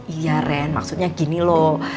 iya ren maksudnya gini loh